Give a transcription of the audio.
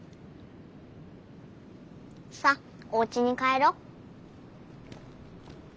さあおうちに帰ろ。